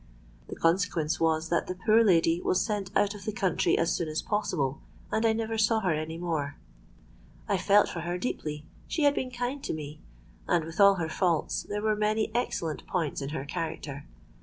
The consequence was that the poor lady was sent out of the country as soon as possible; and I never saw her any more. I felt for her deeply: she had been kind to me—and, with all her faults, there were many excellent points in her character.